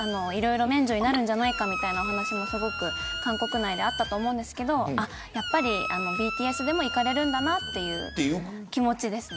免除にになるんじゃないかという話も韓国内であったと思うんですけどやっぱりＢＴＳでも行かれるんだという気持ちです。